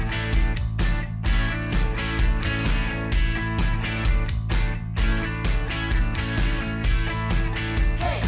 เอาลูกหน้าชั่วเบอร์ว่า